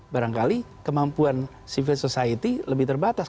barangkali kemampuan civil society lebih terbatas